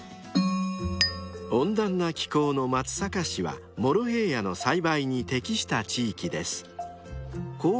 ［温暖な気候の松阪市はモロヘイヤの栽培に適した地域です］